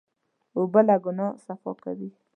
اوبه له ګناه صفا کوي.